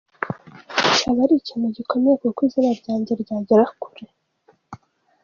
Cyaba ari ikintu gikomeye kuko izina ryanjye ryagera kure”.